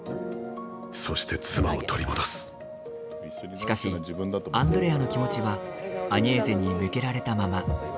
しかし、アンドレアの気持ちはアニェーゼに向けられたまま。